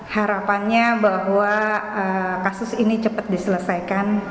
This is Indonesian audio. harapannya bahwa kasus ini cepat diselesaikan